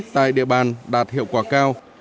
tại địa bàn đạt hiệu quả cao